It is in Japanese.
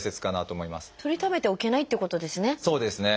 とりためておけないっていうことですね。